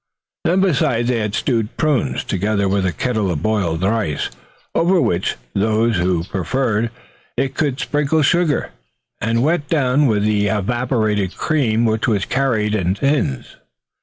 Then besides they had stewed prunes, together with a kettle of boiled rice, over which those who preferred it could sprinkle sugar, and wet down with the evaporated cream which was carried in sealed tins.